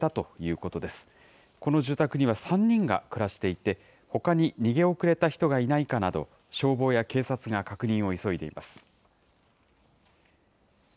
この住宅には３人が暮らしていて、ほかに逃げ遅れた人がいないかなど、消防や警察が確認を急いでいます。